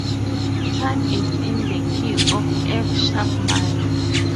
Time is in the key of F-sharp minor.